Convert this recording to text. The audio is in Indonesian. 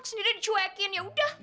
sendiri dicuekin ya udah